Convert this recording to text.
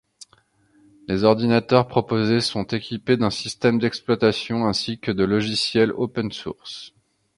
Les ordinateurs proposés sont équipés d'un système d'exploitation ainsi que de logiciels open source.